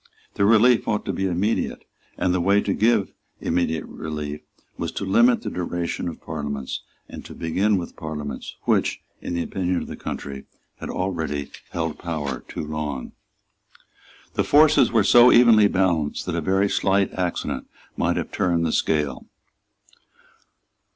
The relief ought to be immediate; and the way to give immediate relief was to limit the duration of Parliaments, and to begin with that Parliament which, in the opinion of the country, had already held power too long. The forces were so evenly balanced that a very slight accident might have turned the scale.